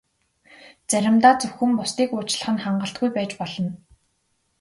Заримдаа зөвхөн бусдыг уучлах нь хангалтгүй байж болно.